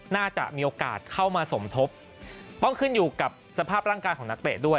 น่าจะมีโอกาสเข้ามาสมทบต้องขึ้นอยู่กับสภาพร่างกายของนักเตะด้วย